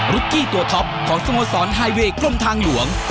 กี้ตัวท็อปของสโมสรไฮเวย์กรมทางหลวง